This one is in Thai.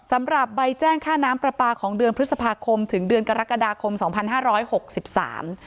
สำหรับใบแจ้งค่าน้ำปลาปลาของเดือนพฤษภาคมถึงเดือนกรกฎาคมสองพันห้าร้อยหกสิบสาม